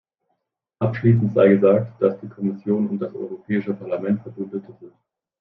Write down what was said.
Abschließend sei gesagt, dass die Kommission und das Europäische Parlament Verbündete sind.